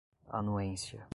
anuência